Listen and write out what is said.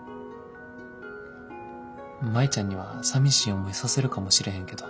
舞ちゃんにはさみしい思いさせるかもしれへんけど。